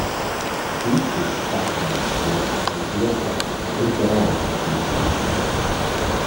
Quist es statta sia lavur prediletta eir davo esser pensiunà.